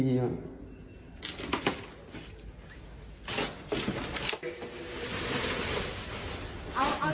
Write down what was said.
เอาเอาอีกช่างนี้ไม่ขนาด